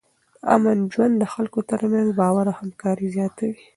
امن ژوند د خلکو ترمنځ باور او همکاري زیاتوي.